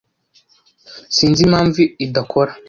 Sinzi impamvu idakora.